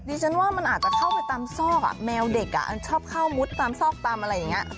ดิฉันว่ามันอาจจะเข้าไปตามซอกแมวเด็กชอบเข้ามุดตามซอกตามอะไรอย่างนี้